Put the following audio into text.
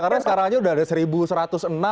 karena sekarang aja sudah ada seribu satu ratus enam